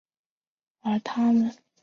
而他们的也造就了日后的诞生。